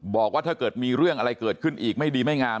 บอกว่าถ้าเกิดมีเรื่องอะไรเกิดขึ้นอีกไม่ดีไม่งาม